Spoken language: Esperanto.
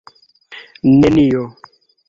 nenio